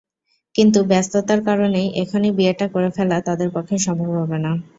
কিন্তু ব্যস্ততার কারণেই এখনই বিয়েটা করে ফেলা তাদের পক্ষে সম্ভব হবে না।